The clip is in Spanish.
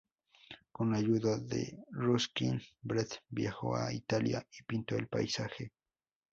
Con ayuda de Ruskin, Brett viajó a Italia y pintó el paisaje.